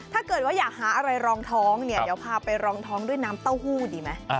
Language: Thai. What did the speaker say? ถ้าเกิดว่าอยากหาอะไรรองท้องเนี่ยเดี๋ยวพาไปรองท้องด้วยน้ำเต้าหู้ดีไหม